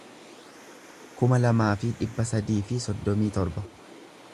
kuma lamaa fi dhibba sadii fi soddomii torba